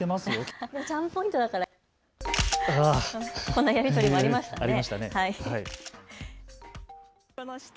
こんなやり取りもありましたね。